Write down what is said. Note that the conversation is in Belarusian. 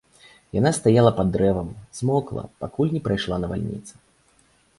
Яна стаяла пад дрэвам, змокла, пакуль не прайшла навальніца.